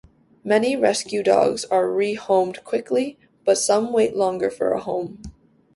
Many rescue dogs are rehomed quickly, but some wait longer for a home.